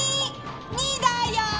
２だよ。